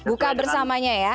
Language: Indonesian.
buka bersamanya ya